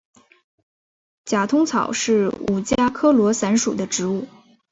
假通草是五加科罗伞属的植物。